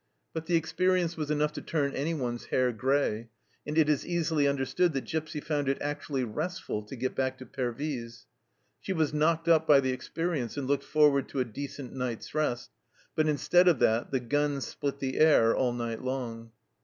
But the experience was enough to turn anyone's hair grey, and it is easily understood that Gipsy found it actually " restful " to get back to Pervyse. She was knocked up by the experience, and looked forward to a decent night's rest, but instead of that the guns split the air all night long.